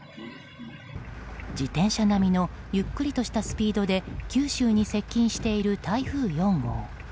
自転車並みのゆっくりとしたスピードで九州に接近している台風４号。